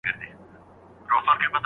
آیا ښار تر کلي لوی دی؟